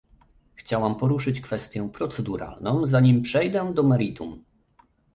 Chciałam poruszyć kwestię proceduralną, zanim przejdę do meritum